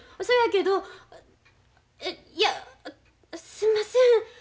そやけどいやすんません。